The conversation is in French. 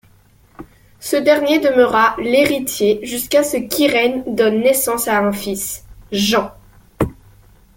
Ce dernier demeura l’héritier jusqu’à ce qu’Irène donne naissance à un fils, Jean.